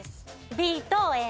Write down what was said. ＢとＡ。